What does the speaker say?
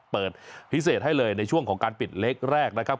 เปิดพิเศษให้เลยในช่วงของการปิดเล็กแรกนะครับ